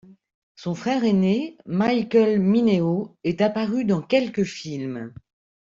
Son frère aîné, Michael Mineo, est apparu dans quelques films.